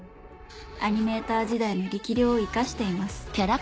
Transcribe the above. アニメーター時代の力量を生かしています